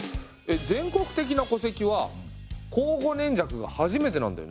全国的な戸籍は庚午年籍が初めてなんだよね。